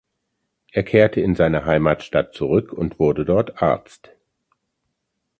Er kehrte in seine Heimatstadt zurück und wurde dort Arzt.